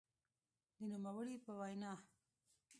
د نوموړي په وینا؛